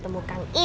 pernah ke mana